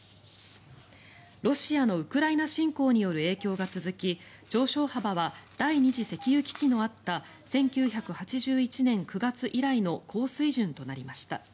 ロシアのウクライナ侵攻による影響が続き上昇幅は第２次石油危機のあった１９８１年９月以来の高水準となりました。